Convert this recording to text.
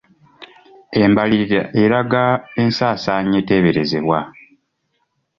Embalirira eraga ensaasaanya eteeberezebwa.